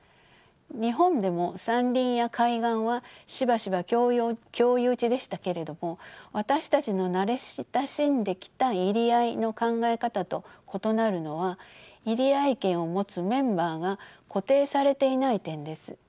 日本でも山林や海岸はしばしば共有地でしたけれども私たちの慣れ親しんできた入り会いの考え方と異なるのは入会権を持つメンバーが固定されていない点です。